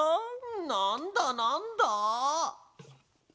なんだなんだ？